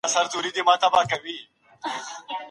تفريق څه ته وايي او واک يې له چا سره دی؟